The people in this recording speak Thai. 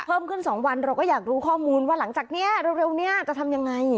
เพิ่มขึ้น๒วันเราก็อยากรู้ข้อมูลว่าหลังจากนี้เร็วนี้จะทำยังไง